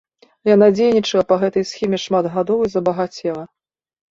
Яна дзейнічала па гэтай схеме шмат гадоў і забагацела.